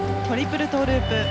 トリプルループ。